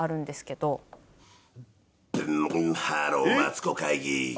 ブンブンハロー『マツコ会議』。